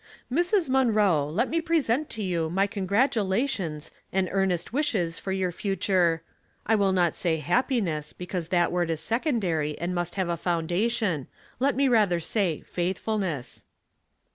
" Mrs. Munroe, let me present to you my con gratulations and earnest wishes for your future — I will not say happiness, because that word is secondary and must have a foundation, let me rather say faithfulness."